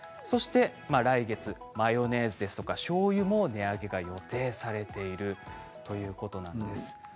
そして来月マヨネーズですとかしょうゆも値上げが予定されているということなんです。